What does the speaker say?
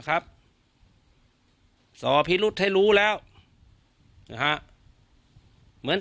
การแก้เคล็ดบางอย่างแค่นั้นเอง